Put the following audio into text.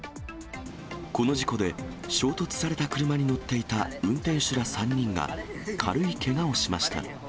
この事故で、衝突された車に乗っていた運転手ら３人が、軽いけがをしました。